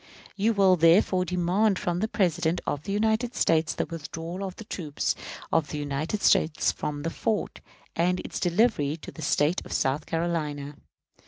You will, therefore, demand from the President of the United States the withdrawal of the troops of the United States from that fort, and its delivery to the State of South Carolina.